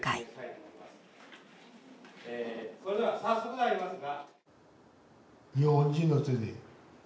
それでは早速ではありますが。